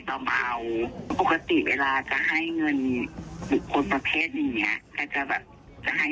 ต่อมาเอาปกติเวลาจะให้เงินคนประเภทอย่างนี้ก็จะแบบจะให้